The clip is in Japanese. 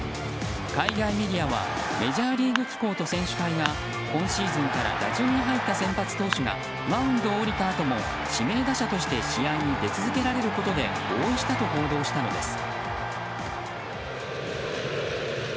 海外メディアはメジャーリーグ機構と選手会が今シーズンから打順に入った先発投手がマウンドを降りたあとも指名打者として試合に出続けることで合意したと報道したのです。